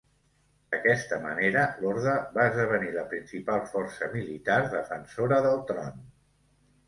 D'aquesta manera l'orde va esdevenir la principal força militar defensora del tron.